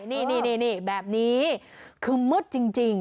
นี่แบบนี้คือมืดจริง